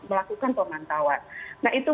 melakukan pemantauan nah itu